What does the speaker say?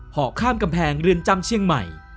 อกข้ามกำแพงเรือนจำเชียงใหม่